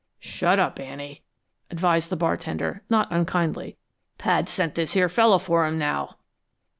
"Shut up, Annie!" advised the bartender, not unkindly. "Pad's sent this here feller for him, now!"